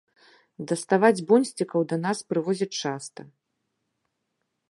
Даставаць бонсцікаў да нас прывозяць часта.